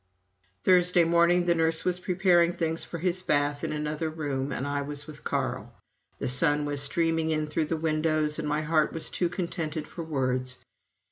Thursday morning the nurse was preparing things for his bath in another room and I was with Carl. The sun was streaming in through the windows and my heart was too contented for words.